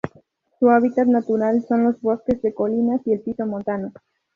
Su hábitat natural son los bosques de colinas y el piso montano.